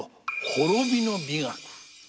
滅びの美学。